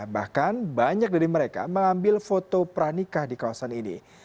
bahkan banyak dari mereka mengambil foto pranikah di kawasan ini